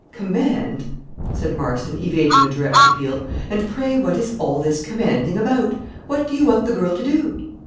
"Command!" said Marston, evading the direct appeal; "and pray what is all this commanding about? What do you want the girl to do?"